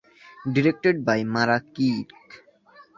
Directed by Mara Kiek.